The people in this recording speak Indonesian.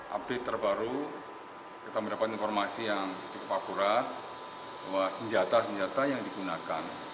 update terbaru kita mendapat informasi yang cukup akurat bahwa senjata senjata yang digunakan